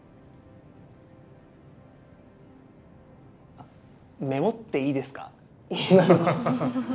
あメモっていいですか？